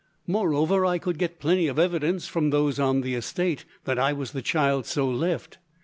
Moreover, I could get plenty of evidence, from those on the estate, that I was the child so left."